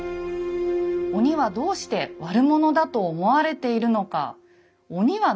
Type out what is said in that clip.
「鬼はどうして悪者だと思われているのか？」。